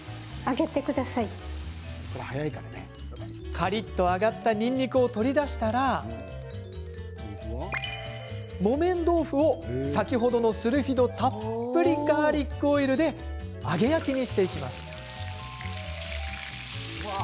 カリっと揚がったにんにくを取り出したら木綿豆腐を先ほどのスルフィドたっぷりのガーリックオイルで揚げ焼きにしていきます。